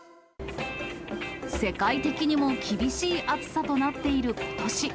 世界的にも厳しい暑さとなっていることし。